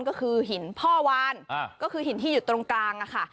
ก็คือหินพ่อวานก็คือหินที่อยู่ตรงกลางค่ะ